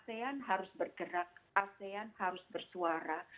asean harus bergerak asean harus bersuara